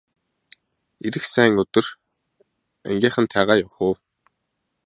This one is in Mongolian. Ирэх сайн өдөр ангийнхантайгаа явах уу!